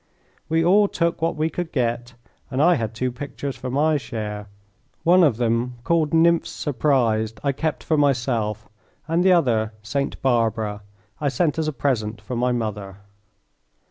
We all took what we could get, and I had two pictures for my share. One of them, called "Nymphs Surprised," I kept for myself, and the other, "Saint Barbara," I sent as a present for my mother.